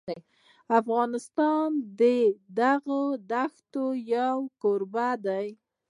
افغانستان د دغو دښتو یو کوربه دی.